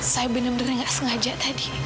saya benar benar nggak sengaja tadi